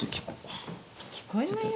聞こえないよ。